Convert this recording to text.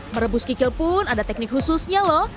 merebus kikil pun ada teknik khususnya lho